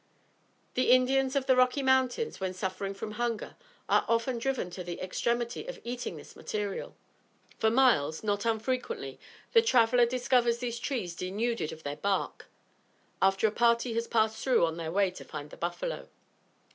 The Indians of the Rocky Mountains, when suffering from hunger, are often driven to the extremity of eating this material. For miles, not unfrequently, the traveler discovers these trees denuded of their bark, after a party has passed through on their way to find the buffalo.